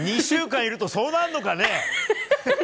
２週間いるとそうなるのかね。